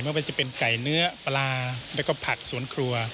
ไม่ว่าจะเป็นไก่เนื้อปลาแล้วก็ผักสวนครัว